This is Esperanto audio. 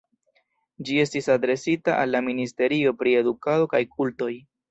Ĝi estis adresita al la ministerio pri edukado kaj kultoj.